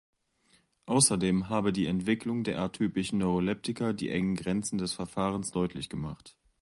Außerdem habe die Entwicklung der atypischen Neuroleptika die engen Grenzen des Verfahrens deutlich gemacht.